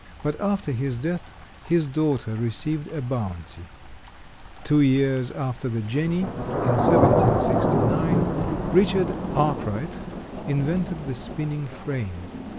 But after his death his daughter received a bounty. Two years after the jenny, in 1769, Richard Arkwright invented the spinning frame.